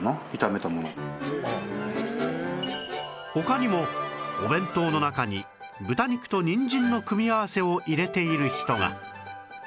他にもお弁当の中に豚肉とにんじんの組み合わせを入れている人が